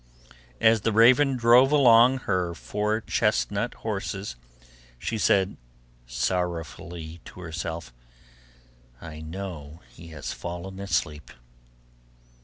As the raven drove along her four chestnut horses, she said sorrowfully to herself, 'I know he has fallen asleep.